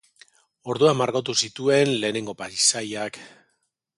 Orduan margotu zituen lehenengo paisaiak.